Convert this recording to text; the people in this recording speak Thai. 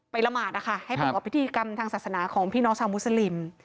ไปละหมาดนะคะให้ปล่อยออกไปที่กรรมทางศาสนาของพี่น้องชาวมุสลิม